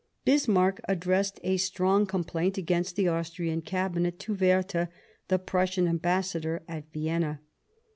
Bismarck addressed a strong complaint against the Austrian Cabinet to Werther, the Prussian Ambassador at Vienna.